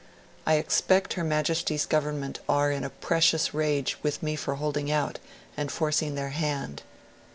I expect Her Majesty's Government are in a precious rage with me for holding out and forcing their hand.'